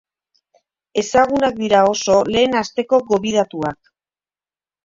Ezagunak dira oso lehen asteko gobidatuak.